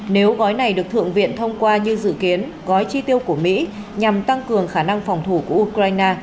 nếu gói này được thượng viện thông qua như dự kiến gói chi tiêu của mỹ nhằm tăng cường khả năng phòng thủ của ukraine